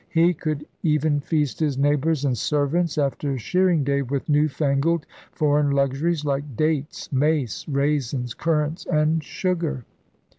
He could even feast his neighbors and servants after shearing day with new fangled foreign luxuries like dates, mace, raisins, currants, and sugar.